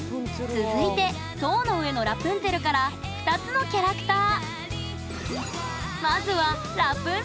続いて「塔の上のラプンツェル」から２つのキャラクター。